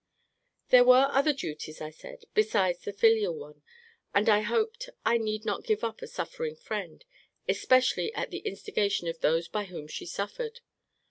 There were other duties, I said, besides the filial one; and I hoped I need not give up a suffering friend, especially at the instigation of those by whom she suffered.